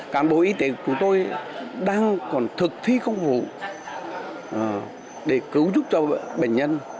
cán bộ y tế của chúng tôi đang còn thực thi công vụ để cứu giúp cho bệnh nhân